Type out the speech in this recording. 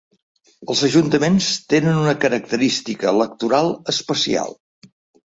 Els ajuntaments tenen una característica electoral especial.